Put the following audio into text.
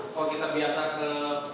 kalau kita biasa ke